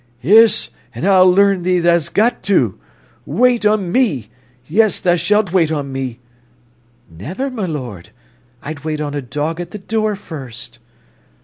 "Yis, an' I'll learn thee tha's got to. Wait on me, yes tha sh'lt wait on me—" "Never, milord. I'd wait on a dog at the door first."